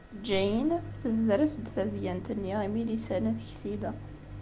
Jane tebder-as-d tadyant-nni i Milisa n At Ksila.